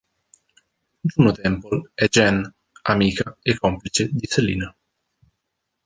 Juno Temple è Jen, amica e complice di Selina.